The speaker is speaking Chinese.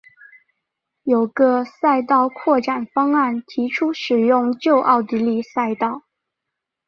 有个赛道扩展方案提出使用旧奥地利赛道。